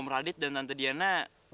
om radit dan tante diana